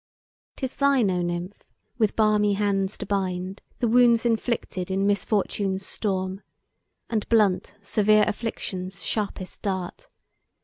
'Tis thine, O Nymph! with 'balmy hands to bind' The wounds inflicted in misfortune's storm, And blunt severe affliction's sharpest dart!